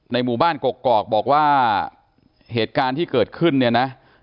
หมู่บ้านกกอกบอกว่าเหตุการณ์ที่เกิดขึ้นเนี่ยนะ